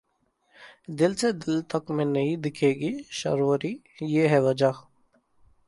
दिल से दिल तक में नहीं दिखेंगी शॉरवरी, ये है वजह